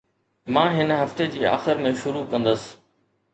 مان هن هفتي جي آخر ۾ شروع ڪندس.